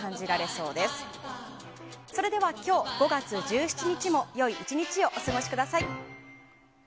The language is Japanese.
それでは今日５月１７日も良い１日をお過ごしください。